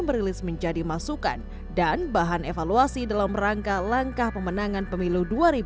merilis menjadi masukan dan bahan evaluasi dalam rangka langkah pemenangan pemilu dua ribu dua puluh